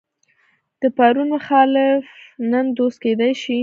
د پرون مخالف نن دوست کېدای شي.